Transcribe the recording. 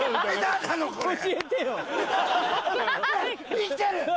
生きてる！